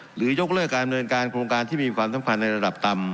ยกเลิกการดำเนินการโครงการที่มีความสำคัญในระดับต่ำ